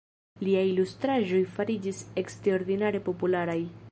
Liaj ilustraĵoj fariĝis eksterordinare popularaj.